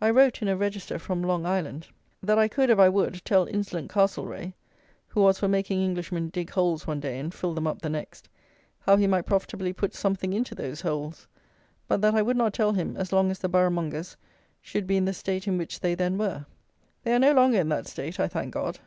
I wrote, in a Register from Long Island, that I could if I would tell insolent Castlereagh, who was for making Englishmen dig holes one day and fill them up the next, how he might profitably put something into those holes, but that I would not tell him as long as the Borough mongers should be in the state in which they then were. They are no longer in that state, I thank God.